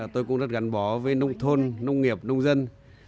tôi cũng rất gắn bó với nông thôn nông nghiệp nông dân